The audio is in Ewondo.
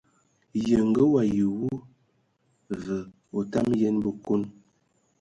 Ye ngə wayi wu, və otam yən bəkon.